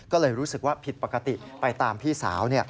ก็เลยรู้สึกว่าผิดปกติไปตามพี่สาว